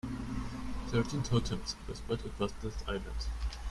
Thirteen totems were spread across this island.